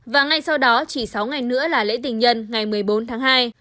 và ngay sau đó chỉ sáu ngày nữa là lễ tình nhân ngày một mươi bốn tháng hai